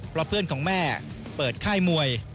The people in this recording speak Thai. เพราะเพื่อนของแม่เปิดค่ายมวย